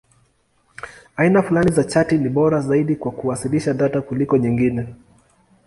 Aina fulani za chati ni bora zaidi kwa kuwasilisha data kuliko nyingine.